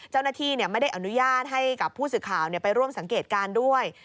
เจ้าหน้าที่ไม่ได้อนุญาตให้กับผู้สื่อข่าวไปร่วมสังเกตการณ์ด้วย